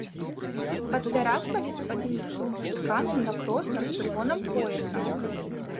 Падпяразвалі спадніцу тканым на кроснах чырвоным поясам.